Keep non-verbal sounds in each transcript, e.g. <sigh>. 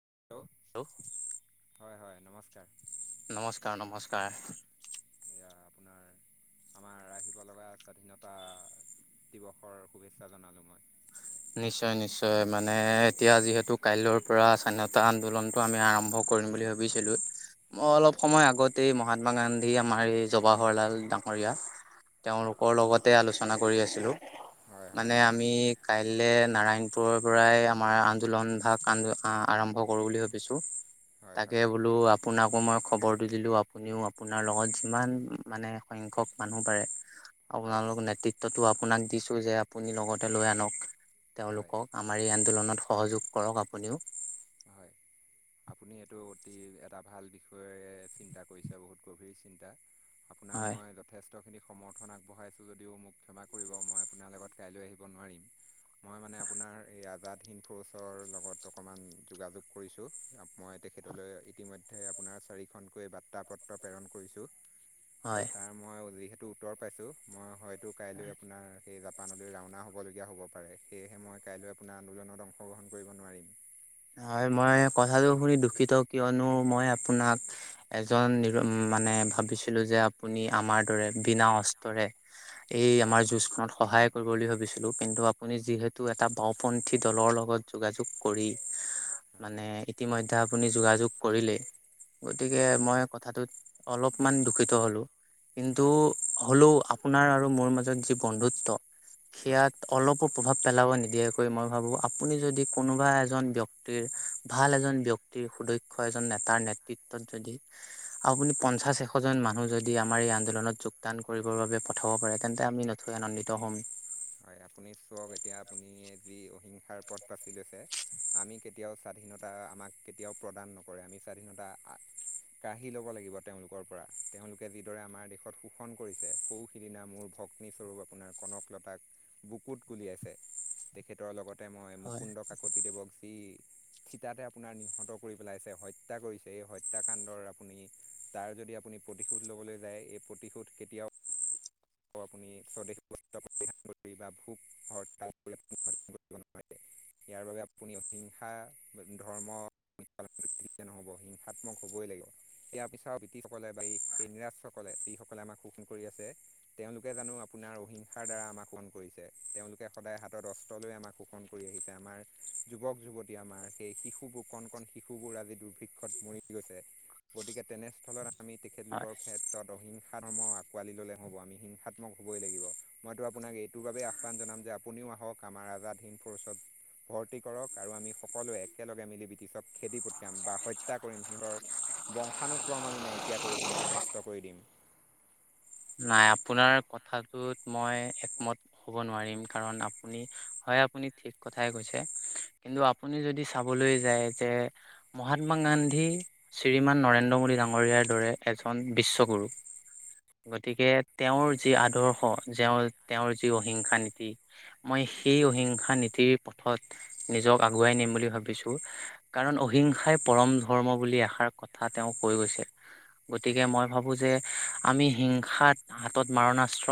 <unintelligible> Hello হয় হয় নমস্কাৰ নমস্কাৰ নমস্কাৰ। এয়া আপোনাৰ <unintelligible> আমাৰ আহিব লগা স্বাধীনতা দিৱসৰ শুভেচ্ছা জনালোঁ মই। নিশ্চয় নিশ্চয় মানে এতিয়া যিহেতু কাইলৈৰ পৰা স্বাধীনতা আন্দোলনটো আমি আৰম্ভ কৰিম বুলি ভাবিছিলো মই অলপ হয় সময় আগতে মহ মহাত্মা গান্ধী আমাৰ এই জৱাহৰলাল ডাঙৰীয়া। তেওঁলোকৰ লগতে আলোচনা কৰি আছিলো হয় হয় মানে আমি। কাইলে নাৰায়ণপুৰৰ পৰাই আমাৰ আন্দোলন ভাগ আ আৰম্ভ কৰো বুলি ভাবিছো? হয় হয় তাকে বোলো আপোনাক? আক মই খবৰ দি দিলো আপুনিও আপোনাৰ লগত যিমান মানে সংখ্যক মানুহ পাৰে। হয় আপোনালোক নেতৃত্বটো আপোনাক দিছো যে আপুনি লগতে লৈ আনক। হয় তেওঁলোকক আমাৰ এই আন্দোলনত সহযোগ কৰক আপুনিও। হয় আপুনি এইটো অতি এটা ভাল বিষয়ে চিন্তা কৰিছে বহুত গভীৰ চিন্তা। আপোনাক হয় মই যথেষ্ট। খিন সমৰ্থন আগবঢ়াইছো যদিও মোক ক্ষমা কৰিব মই আপোনাৰ লগত কাইলৈ আহিব নোৱাৰিম। মই মানে আপোনাৰ এই আজাদ হিন্দ ফ'চৰ লগত অকণমান যোগাযোগ কৰিছোঁ? মই তেখেতলৈ ইতিমধ্যে আপোনাৰ চাৰিখনকৈ বাৰ্তা পত্ৰ প্ৰেৰণ কৰিছো? আৰু হয় তাৰ মই যিহেতু উত্তৰ পাইছো মই হয়তো কাইলৈ আপোনাৰ? সেই জাপানলৈ ৰাওনা হ'বলগীয়া হ'ব পাৰে সেয়েহে মই কাইলৈ আপোনাৰ আন্দোলনত অংশগ্ৰহণ কৰিব নোৱাৰিম। হয় মই কথাটো শুনি দুখিত কিয়নো মই আপোনাক এজন। মানে ভাবিছিলো যে আপুনি আমাৰ দৰে বিনা অস্ত্ৰৰে। এই হয় আমাৰ যুজ খনত সহায় কৰিব বুলি ভাবিছিলো কিন্তু। আপুনি যিহেতু এটা বাওঁপন্থী দলৰ লগত যোগাযোগ কৰি। মানে ইতিমধ্যে আপুনি যোগাযোগ কৰিলেই। হয় গতিকে হয় মই কথাটোত অলপমান দূখিত হলো। কিন্তু হয় হ'লেও আপোনাৰ আৰু মোৰ মাজত যি বন্ধুত্ব। হয় সেয়াত অলপো প্ৰভাৱ পেলাব নিদিয়াকৈ মই ভাবো আপুনি যদি কোনোবা এজন। ব্যক্তি ভাল এজন ব্যক্তিৰ সুদক্ষ এজন নেতাৰ নেতৃত্বত যদি আপুনি পঞ্চাশ এশ জন মানুহ যদি আমাৰ এই আন্দোলনত যোগদান কৰিবৰ বাবে পঠাব পাৰে তেন্তে আমি নথৈ আনন্দিত হ'ম। হয় আপুনি চাওক এতিয়া আপুনি যি অহিংসাৰ পথ বাচি লৈছে আমি কেতিয়াও স্বাধীনতা আমাক কেতিয়াও প্ৰদান নকৰে আমি। চাৰি ঘণ্টা অ কি ল'ব লাগিব তেওঁলোকৰ পৰা তেওঁলোকে যিদৰে আমাৰ দেশত শোষণ কৰিছে সৰু সিদিনা মোৰ ভগ্নীস্বৰূপ আপোনাৰ কনক লতাক বুকুত কুলি আছে তেখেতৰ লগতে মই হয় মুকুন্দ কাকতি দেৱ <inaudible> থিতাতে আপোনাৰ নিহত কৰি পেলাইছে হত্যা কৰিছে এই হত্যাকাণ্ডৰ আপুনি তাৰ যদি আপুনি আপুনি প্ৰতিশোধ ল'বলৈ যায় এই প্ৰতিশোধ কেতিয়াও আপুনি স্বদেশ <unintelligible> বা ভোক <unintelligible> ইয়াৰ বাবে আপুনি অহিংসা ধৰ্ম পালন থাকিলে নহ'ব <unintelligible> হিংসাত্মক হ'বই লাগিব ইয়াৰ পিছত বিটিছ সকলে বা এই ইংৰাজ সকলে যি সকলে আমাক শোষণ কৰি আছে তেওঁলোকে জানো আপোনাৰ অহিংসাৰ দ্বাৰা আমাক শণ কৰিছে তেওঁলোকে সদায় হাতত অস্ত্ৰ লৈ আমাক শোষণ কৰি আহিছে আহিছে আমাৰ যুৱক যুৱতী আমাৰ সেই শিশুবোৰ কণ কণ শিশু বোৰ আজি দুৰ্ভিক্ষত মৰি গৈছে গতিকে তেনেস্থলত আমি হয় তেখেতলোকৰ ক্ষেত্ৰত অহিংসা ধৰ্ম আঁকোৱালি ল'লে হ'ব আমি হিংসাত্মক হ'বই লাগিব মইতো আপোনাক এইটোৰ বাবে আহ্বান জনাম যে আপুনিও আহক আমাৰ আজাদ হিন ফৰচত ভৰ্তি কৰক আৰু আমি সকলোৱে একেলগে মিলি ব্ৰিটিছক খেদি পঠিয়াম বা হত্যা কৰিম সিহতৰ বংশানুক্ৰম আমি নাইকিয়া কৰি দিম বা নষ্ট কৰি দিম <unintelligible> নাই আপোনাৰ কথাটোত মই একমত হ'ব নোৱাৰিম কাৰণ আপুনি হয় আপোনি ঠিক কথাই কৈছে কিন্তু আপুনি যদি চাবলৈ যায় যে মহাত্মা গান্ধী গান্ধী শ্ৰীমান নৰেন্দ্ৰ মোদী ডাঙৰীয়াৰ দৰে এজন বিশ্বগুৰু গতিকে তেওঁৰ যি হয়। আদৰ্শ তেওৰ তেওঁৰ যি অহিংসা নীতি মই সেই অহিংসা নীতিৰ পথত নিজক আগুৱাই নি ম বুলি ভাবিছো কাৰণ অহিংসাই পৰম ধৰ্ম বুলি আশাৰ কথা তেওঁ কৈ গৈছে হয় গতিকে মই ভাবো যে আমি হিংসাত হাতত মাৰণাস্ত্ৰ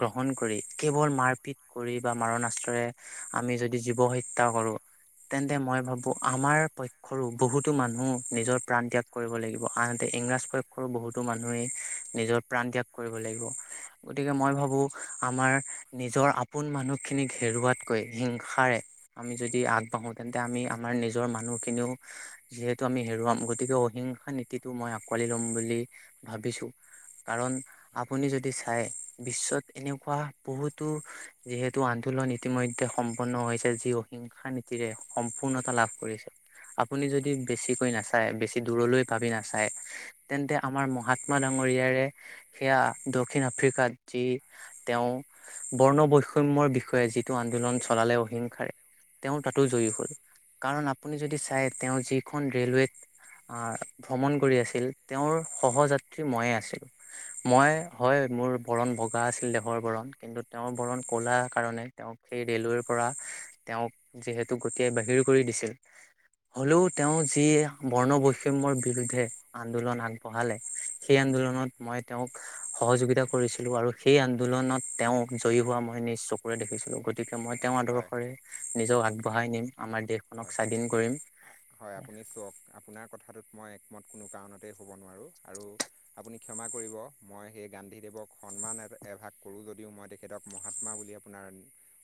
গ্ৰহণ কৰি কেৱল মাৰপিট কৰি বা মাৰণাস্ত্ৰৰে আমি যদি জীৱ হত্যা কৰো তেন্তে মই ভাবো আমাৰ পক্ষৰো বহুতো মানুহ নিজৰ প্ৰাণ ত্যাগ কৰিব লাগিব আনহাতে ইংৰাজ পক্ষৰো বহুতো মানুহেই নিজৰ প্ৰাণ ত্যাগ কৰিব লাগিব গতিকে মই হয় ভাবো আমাৰ নিজৰ আপোন মানুহ খিনিক হেৰুৱাতকৈ হিংসাৰে আমি যদি আগবাঢ়োঁ তেন্তে আমি আমাৰ নিজৰ মানুহখিনিও যিহেতু আমি হেৰুৱাম গতিকে অহিংসা নীতিটো মই আঁকোৱালি ল'ম বুলি ভাবিছো কাৰণ হয় আপুনি যদি চাই বিশ্বত এনেকুৱা বহুতো যিহেতু টো আন্দোলন ইতিমধ্যে সম্পন্ন হৈছে যি অহিংসা নীতিৰে সম্পূৰ্ণতা লাভ কৰিছে আপুনি যদি হয় বেছিকৈ নাচায় বেছি দূৰলৈ পাবি নাচায় তেন্তে আমাৰ মহাত্মা সেয়া দক্ষিণ আফ্ৰিকাত যি তেওঁ বৰ্ণ বৈষম্য অসমৰ বিষয়ে যিটো আন্দোলন চলালে অহিংসাৰে তেওঁ তাতো জয়ী হল কাৰণ আপুনি যদি চাই তেওঁ যিখন ৰেলৱেত আহ ভ্ৰমণ কৰি আছিল তেওঁৰ সহযাত মইে আছিলো মই হয় মোৰ বৰণ ভগা আছিল দেহৰ বৰণ কিন্তু তেওঁৰ বৰণ কলা কাৰণে তেওঁক সেই ৰেলৱেৰ পৰা তেওঁক যিহেতু গতিয়াই বাহিৰ কৰি দিছিল হলেও তেওঁ যি বৰ্ণ বৈষম্যৰ বিৰুদ্ধে আন্দোলন আগবঢ়ালে সেই আন্দোলনত হয় মই তেওঁক সহযোগিতা কৰিছিলো আৰু সেই আন্দোলনত তেওঁক জয়ী হোৱা মই নিজ চকুৰে দেখিছিলো গতিকে মই তেওঁৰ হয় আদৰ্শৰে হয় নিজক আগবঢ়াই নিম আমাৰ দেশ হয় হয় আপুনি চাওক আপোনাৰ কথাটোত মই মত কোনো কাৰণতেই হ'ব নোৱাৰোঁ আৰু আপুনি ক্ষমা কৰিব মই সেই গান্ধীদেৱক সন্মান এভাগ কৰো যদিও মই তেখেতক মহাত্মা বুলি আপোনাৰ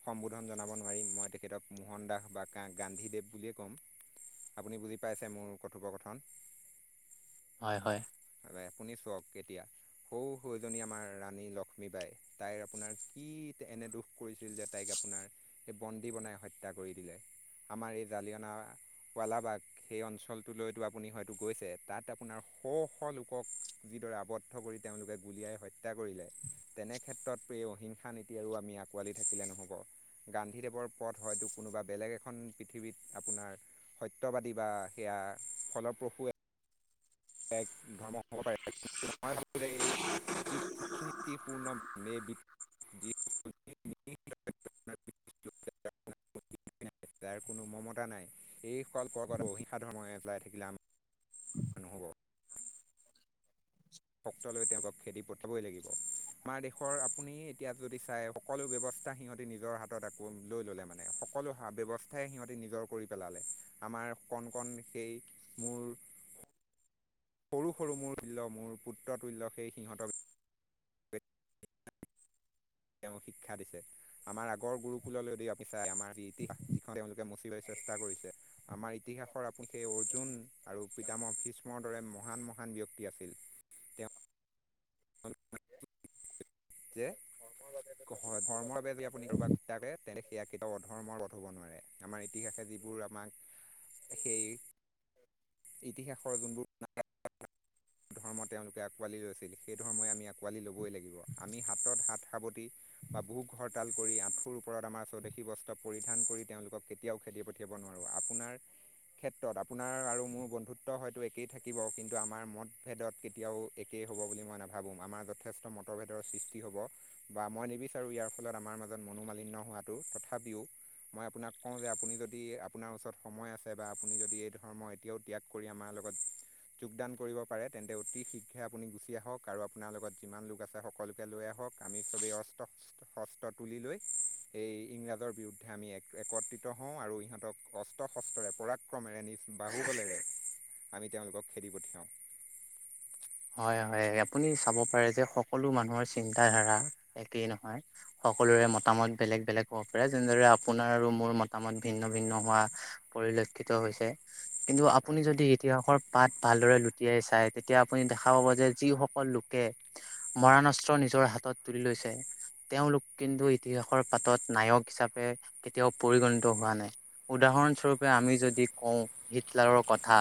সম্বোধন জনাব নোৱাৰিম মই তেখেতক মহনাক বাক গান্ধীদেৱ বুলিয়েই ক'ম আপুনি বুজি পাইছে মোৰ কথোপকথন হয় হয় আপুনি চক এতিয়া সৌ সৌজনি আমাৰ ৰাণী লক্ষ্মী বাই তাই আপোনাৰ এনে দুখ কৰিছিল যে তাইক আপোনাৰ স বন্দী বনাই হত্যা কৰি দিলে আমাৰ এই জালিয়না য়ালাবাগ সেই অঞ্চলটোলৈতো আপুনি হয়তো গৈছে তাত আপোনাৰ শ শ লোকক যিদৰে আৱদ্ধ কৰি তেওঁলোকে গুলীয়াই হত্যা কৰিলে তেনে ক্ষেত্ৰত প্ৰ অহিংসা নীতি আৰু আমি আঁকোৱালি থাকিলে নহব গান্ধীদেৱৰ পথ হয়তো কোনোবা বেলেগ এখন পৃথিৱীত আপোনাৰ সত্যবাদী বা সেয়া ফলপ্ৰসুৱে এক ধৰ্ম হ'ব প এই যি কূটনীতিপূৰ্ণভাৱে যি <unintelligible> তাৰ কোনো মমতা নাই এইসকল পৰ্কত অহিংসা ধৰ্ম এ চলাই থাকিলে আমাৰ নহ'ব ভক্ত লৈ তেওঁলোকক খেদি পঠাবই লাগিব আমাৰ দেশৰ আপুনি এতিয়া যদি চাই সকলো ব্যৱস্থা নিজৰ হাত লৈ ললে মানে সকলো ব্যৱস্থাই সিহঁতি নিজৰ কৰি পেলালে আমাৰ কণ কণ সেই মোৰ <unintelligible> সৰু সৰু মোৰ তূল্য মোৰ পুত্ৰ তুল্য সেই সিহঁত বি তেওঁ শিক্ষা দিছে আমাৰ আগৰ গুৰুকুললৈ যদি আপনি চাই আমাৰ ইতিহাস যিখন তেওঁলোকে মুচি লৈছে চেষ্টা কৰিছে আমাৰ ইতিহাসৰ আপুনি সেই অৰ্জুন আৰু পিতামহ ভীষ্মৰ দৰে মহান মহান ব্যক্তি আছিল <inaudible> <unintelligible> যে ধৰ্মৰ বাবে যদি আপুনি কাৰোবাক হত্যা কৰে তেন্তে সেয়া কেতিয়াও অধৰ্মৰ পধ হব নোৱাৰে আমাৰ ইতিহাসে যিবোৰ আমাক সেই ইতিহাসৰ যোনবোৰ যি ধৰ্ম তেওঁলোকে আঁকোৱালি লৈছিল সেই ধৰ্মই আমি আঁকোৱালি ল'বই লাগিব আমি হাতত হাত সাৱটি বা ভোক ঘৰৰতাল কৰি আঁঠুৰ ওপৰত আমাৰ স্বদেশী বস্ত্ৰ পৰিধান কৰি তেওঁলোকক কেতিয়াও খেতি পঠিয়াব ন নোৱাৰোঁ আপোনাৰ ক্ষেত্ৰত আপোনাৰ আৰু মোৰ বন্ধুত্ব হয়তো একেই থাকিব কিন্তু আমাৰ মদ ভেদত কেতিয়াও একেই হ'ব বুলি মই নাভাবোঁ আমাৰ যথেষ্ট মতভেদৰ সৃষ্টি হ'ব বা মই বিচাৰো ইয়াৰ ফলত আমাৰ মাজত মনোমালিন্য হোৱাটো তথাপিও মই আপোনাক কওঁ যে আপুনি যদি আপোনাৰ ওচৰত সময় আছে বা আপুনি যদি এই ধৰ্ম এতিয়াও ত্যাগ কৰি আমাৰ লগত যোগদান কৰিব পাৰে তেন্তে অতি শীঘ্ৰে আপুনি গুচি আহক আৰু আপোনাৰ লগত যিমান লোক আছে সকলোকে লৈ আহক আমি চবেই অ হ্ত হস্ত্ৰ তুলি লৈ এই ইংৰাজৰ বিৰুদ্ধে আমি এক একত্ৰিত হওঁ আৰু ইহঁতক অস্ত্ৰ শস্ত্ৰৰে পৰাক্ৰমেৰে নিজ বাহুবলেৰে আমি তেওঁলোকক খেদি পঠিয়াওঁ উ হয় হয় আপুনি চাব পাৰে যে সকলো মানুহৰ চিন্ত ধাৰা একেই নহয় সকলো সকলোৰে মতামত বেলেগ বেলেগ হ'ব পাৰে যেনেদৰে আপোনাৰ আৰু মোৰ মতামত ভিন্ন ভিন্ন হোৱা পৰিলক্ষিত হৈছে কিন্তু আপুনি হয় যদি ইতিহাসৰ পাত ভালদৰে লুটিয়াই চাই তেতিয়া আপুনি দেখা পাব যে যিসকল লোকে মৰাণস্ত্ৰ নিজৰ হাত হাতত তুলি লৈছে তেওঁলোক কিন্তু ইতিহাসৰ পাতত নায়ক হিচাপে কেতিয়াও পৰিগণিত হোৱা নাই উদাহৰণস্বৰূপে আমি যদি কওঁ হিটলাৰৰ কথা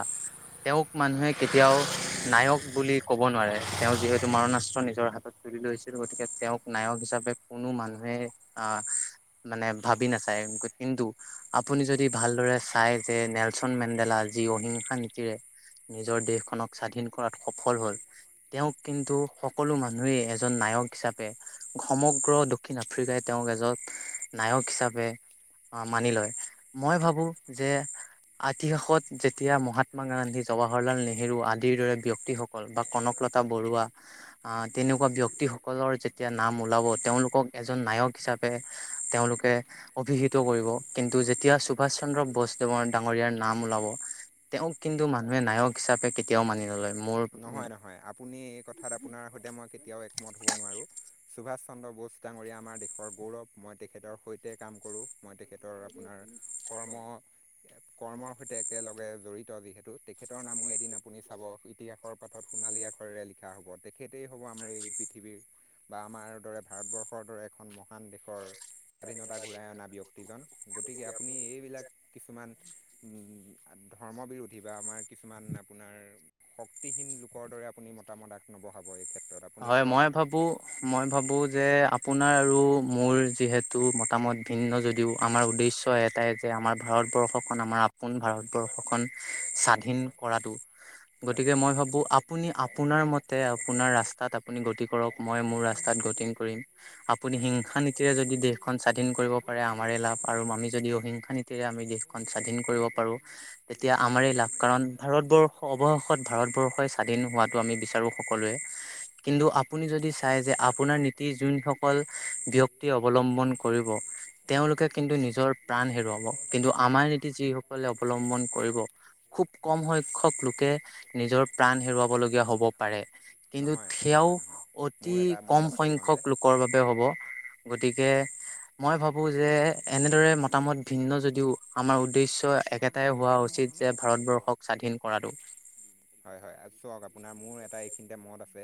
তেওঁক হয় মানুহে কেতিয়াও নায়ক বুলি ক'ব নোৱাৰে তেওঁ যিহেতু মাৰণাস্ত্ৰ নিজৰ হাতত তুলি লৈছিল গতিকে তেওঁক নায়ক হিচাপে কোনো মানুহে আহ মানে ভাবি নাচায় কিন্তু আপুনি যদি ভালদৰে চাই যে নেলচন মেণ্ডেলা যি অহিংসা নীতিৰে নিজৰ দেশখনক স্বাধীন কৰাত সফল হল তেওঁক কিন্তু সকলো মানুহেই এজন নাই নায়ক হিচাপে সমগ্ৰ দক্ষিণ আফ্ৰিকাই তেওঁ এজত নায়ক হিচাপে আহ মানি লয় মই ভাবো যে ইতিহাসত যেতিয়া মহাত্মা গান্ধী, জৱাহৰলাল নেহেৰু আদিৰ দৰে ব্যক্তিসকল বা কনকলকলতা বৰুৱা তেনেকুৱা ব্যক্তিসকলৰ যেতিয়া নাম ওলাব তেওঁলোকক এজন নায়ক হিচাপে তেওঁলোকে অভিহিত কৰিব। কিন্তু যেতিয়া সুভাষ চন্দ্ৰ বসদেৱৰ ডাঙৰীয়াৰ নাম ওলাব। তেওঁক কিন্তু মানুহে নায়ক হিচাপে কেতিয়াও মানি নলয়। মোৰ নহয় নহয় আপুনি এই কথাত আপোনাৰ সৈতে মই কেতিয়াও একমত হ'ব নোৱাৰোঁ। সুভাষ চন্দ্ৰ বোষ ডাঙৰীয়া আমাৰ দেশৰ গৌৰৱ। মই তেখেতৰ সৈতে কাম কৰোঁ, মই তেখেতৰ আপোনাৰ কৰ্ম কৰ্মৰ সৈতে একেলগে জড়িত যিহেতু। তেখেতৰ নামো এদিন আপুনি চাব ইতিহাসৰ পাতত সোণালী আখৰেৰে লিখা হ'ব। তেখেতেই হ'ব আমাৰ এই পৃথিৱীৰ বা আমাৰ দৰে ভাৰতবৰ্ষৰ দৰে এখন মহান দেশৰ স্বাধীনতা ঘূৰাই অনা ব্যক্তিজন। গতিকে আপুনি এইবিলাক কিছুমান ধৰ্ম বিৰোধী বা আমাৰ কিছুমান আপোনাৰ শক্তিহীন লোকৰ দৰে আপুনি মতামতাক নবহাব, এই ক্ষেত্ৰত। আপুনি হয়, চাওক মই ভাবো মই ভাবো যে, আপোনাৰ আৰু মোৰ যিহেতু মতামত ভিন্ন যদিও আমাৰ উদ্দেশ্য এটাই যে আমাৰ ভাৰত ভাৰতবৰ্ষখন আমাৰ আপোন ভাৰতবৰ্ষখন স্বাধীন কৰাতটো হয় গতিকে মই ভাবো আপুনি আপোনাৰ মতে আপোনাৰ ৰাস্তা তাত আপুনি গতি কৰক। মই মোৰ ৰাস্তাত গতি কৰিম। আপুনি হয় হিংসা নীতিৰে যদি দেশখন স্বাধীন কৰিব পাৰে আমাৰেই লাভ। আৰু আমি যদি অহিংসা নীতিৰে আমি দেশখন স্বাধীন কৰিব পাৰোঁ। তেতিয়া আমাৰ লাভ। কাৰণ ভাৰতবৰ্ষ অৱশেষত ভাৰতবৰ্ষই স্বাধীন হোৱাটো আমি বিচাৰো। সকলোৱে। কিন্তু হয় আপুনি যদি চাই যে আপোনাৰ নীতি যোনসকল ব্যক্তিয়ে অৱলম্বন কৰিব। তেওঁলোকে হয় কিন্তু নিজৰ প্ৰাণ হেৰুৱাব। কিন্তু আমাৰ নীতি যিসকলে অবলম্বন কৰিব খুব কম হয় সংখ্যক লোকে নিজৰ প্ৰাণ হেৰুৱাবলগীয়া হ'ব পাৰে। কিন্তু, নহয় সেয়াও নহয় নহয় মোৰ অতি এটা কম মত আছে সংখ্যক এইকণতে লোকৰ বাবে হ'ব। গতিকে মই ভাবো যে, এনেদৰে মতামত ভিন্ন যদিও আমাৰ উদ্দেশ্য একেটাই হোৱা উচিত যে ভাৰতবৰ্ষক স্বাধীন কৰাটো। হয়, হয়। চক আপোনাৰ মোৰ এটা খিনিতে মদ আছে,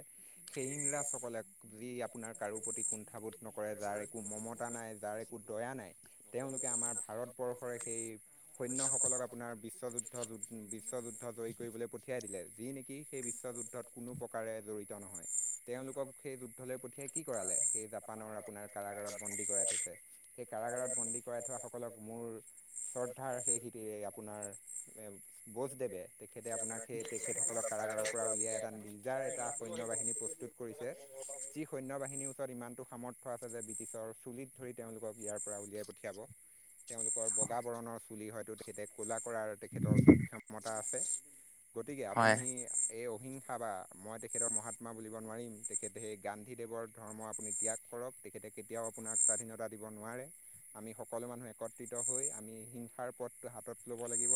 সেই ইংৰাজসকলে যি আপোনাৰ কাৰো প্ৰতি কুণ্ঠাবোধ নকৰে। যাৰ একো মমতা নাই যাৰ একো দয়া নাই। তেওঁলোকে আমাৰ ভাৰতবৰ্ষৰে সেই সৈন্যসকলক আপোনাৰ বিশ্বযুদ্ধ যু বিশ্বযুদ্ধ যুদ্ধ জয়ী কৰিবলৈ পঠিয়াই দিলে। যি নেকি সেই বিশ্ব যুদ্ধত কোনো প্ৰকাৰে জড়িত নহয়। তেওঁলোকক সেই যুদ্ধলৈ পঠিয়াই কি কৰালে, সেই জাপানৰ আপোনাৰ কাৰাগাৰত বন্দী কৰাই থৈছে। সেই কাৰাগাৰত বন্দী কৰাই থোৱা সকলক মোৰ শ্ৰদ্ধাৰ সেই খেতিৰে আপোনাৰ বোজ দেৱে তেখেতে আপোনাৰ সেই তেখেতসকলক কাৰাগাৰৰ পৰা উলিয়াই এটা নিজাৰ এটা সৈন্য বাহিনী প্ৰস্তুত কৰিছে। যি সৈন্য বাহিনীৰ ওচৰত ইমান টো সামৰ্থ্ আছে যে ব্ৰিটিছৰ চুলিত ধৰি তেওঁলোকক ইয়াৰ পৰা উলিয়াই পঠিয়াব। তেওঁলোকৰ বগা বৰণৰ চুলি হয়তো তেখেতে ক'লা কৰাৰ তেখেতৰ ওচৰত ক্ষমতা আছে। গতিকে, হয় আপুনি এই অহিংসা খাবা মই তেখেতৰ মহাত্মা বুলিব নোৱাৰিম। তেখেতে সেই গান্ধীদেৱৰ ধৰ্ম আপুনি ত্যাগ কৰক তেখে কেতিয়াও আপোনাক স্বাধীনতা দিব নোৱাৰে। আমি সকলো মানুহ একত্ৰিত হৈ আমি হিংসাৰ পথটো হাতত ল'ব লাগিব।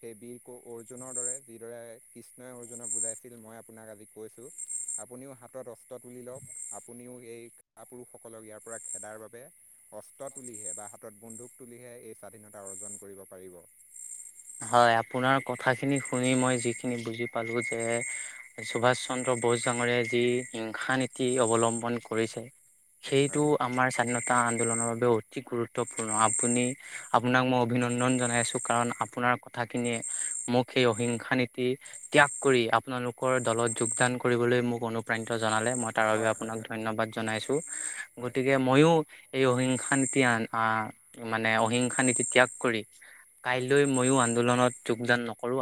সেই বীৰ ক- অৰ্জুনৰ দৰে যিদৰে কৃষ্ণই অৰ্জুনক বুজাইছিল মই আপোনাক আজি কৈছোঁ, আপুনিও হাতত অস্ত তুলি লওক। আপুনিও এই কা-পুৰুষসকলক ইয়াৰ পৰা খেদাৰ বাবে অস্তত তুলিহে বা হাতত বন্ধুক তুলিহে এই স্বাধীনতা অৰ্জন কৰিব পাৰিব। হয়, আপোনাৰ কথাখিনি শুনি মই যিখিনি বুজি পালো যে, সুভাষ চন্দ্ৰ বোস ডাঙৰীয় যি হিংসা নীতি অৱলম্বন কৰিছে। সেইটো হয় আমাৰ স্বাধীনতা আন্দোলনৰ বাবে অতি গুৰুত্বপূৰ্ণ। আপুনি আপোনাক মই অভিনন্দন জনাইছো। কাৰণ, আপোনাৰ কথাখিনিয়ে মোক সেই অহিংসা নীতি ত্যাগ কৰি আপোনালোকৰ দলত যোগদান কৰিব মোক অনুপ্ৰাণিত জনালে মই তাৰ বাবে হয় হয় আপোনাক হয় ধন্যবাদ জনাইছো। হয় গতিকে মইয়ো এই অহিংসা নীতি আ মানে অহিংসা নীতি ত্যাগ কৰি হয় কাইলৈ ময়ো আন্দোলনত যোগদান নকৰো